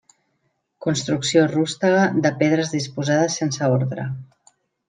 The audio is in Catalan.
Construcció rústega de pedres disposades sense ordre.